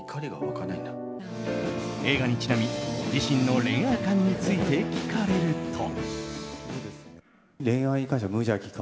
映画にちなみ自身の恋愛観について聞かれると。